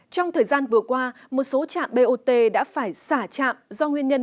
trong thời gian vừa qua một số trạm bot đã phải xả trạm do nguyên nhân